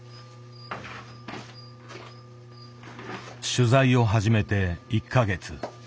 取材を始めて１か月。